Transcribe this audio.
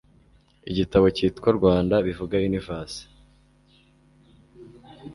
igitabo cyitwa Rwanda bivuga Universe